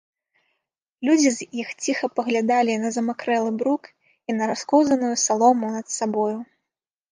Людзі з іх ціха паглядалі на замакрэлы брук і на раскоўзаную салому над сабою.